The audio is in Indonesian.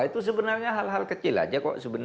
itu sebenarnya hal hal kecil saja